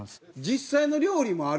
実際の料理もある？